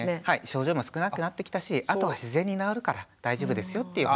症状も少なくなってきたしあとは自然に治るから大丈夫ですよっていう話だと思います。